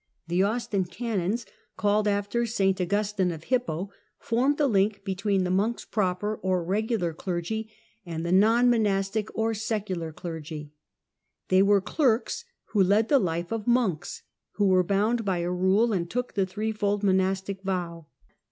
^ The Austin Canons, called after St Augustine of Hippo, formed a link between the monks proper, or regular clergy, and the non monastic or secular clergy. They were clerks who led the life of monks, who were bound by a rule, and took the threefold monastic vow.